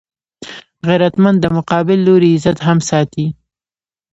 غیرتمند د مقابل لوري عزت هم ساتي